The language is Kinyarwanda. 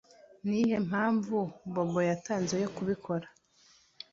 Ni iyihe mpamvu Bobo yatanze yo kubikora